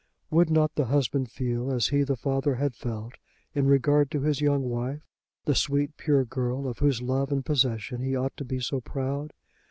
Would not the husband feel as he the father had felt in regard to his young wife, the sweet pure girl of whose love and possession he ought to be so proud?